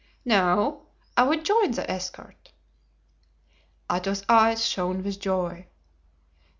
"No, I would join the escort." Athos's eyes shone with joy.